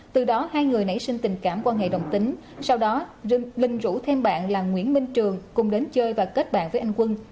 từ đó hai người nảy sinh tình cảm quan hệ đồng tính sau đó linh rủ thêm bạn là nguyễn minh trường cùng đến chơi và kết bạn với anh quân